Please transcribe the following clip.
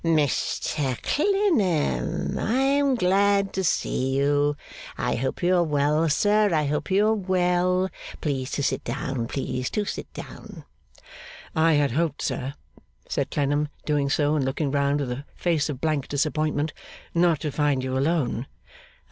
'Mr Clennam, I am glad to see you. I hope you are well, sir, I hope you are well. Please to sit down, please to sit down.' 'I had hoped, sir,' said Clennam, doing so, and looking round with a face of blank disappointment, 'not to find you alone.